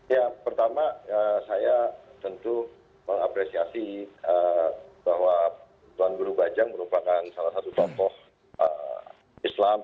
ya pertama saya tentu mengapresiasi bahwa tuan guru bajang merupakan salah satu tokoh islam